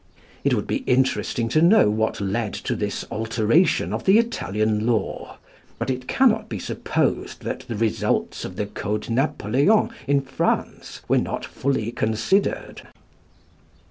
It would be interesting to know what led to this alteration of the Italian law. But it cannot be supposed that the results of the Code Napoleon in France were not fully considered.